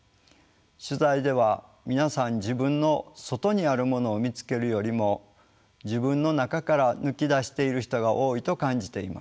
取材では皆さん自分の外にあるものを見つけるよりも自分の中から抜き出している人が多いと感じています。